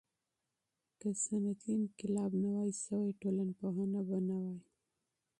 که صنعتي انقلاب نه وای سوی، ټولنپوهنه به نه وای.